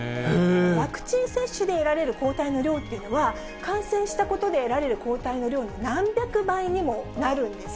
ワクチン接種で得られる抗体の量っていうのは、感染したことで得られる抗体の量の何百倍にもなるんです。